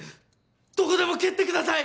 どこでも蹴ってください！